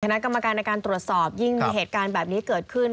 คณะกรรมการในการตรวจสอบยิ่งมีเหตุการณ์แบบนี้เกิดขึ้น